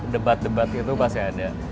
debat debat itu pasti ada